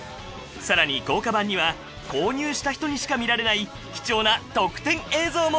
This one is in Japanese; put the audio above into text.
さらに豪華版には購入した人にしか見られない貴重な特典映像も！